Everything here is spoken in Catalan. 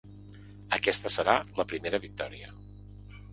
Aquesta serà la primera victòria.